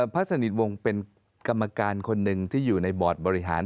พระสนิทวงศ์เป็นกรรมการคนหนึ่งที่อยู่ในบอร์ดบริหาร